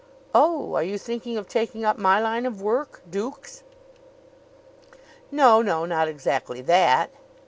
"Oh! Are you thinking of taking up my line of work? Dukes?" "No, no not exactly that."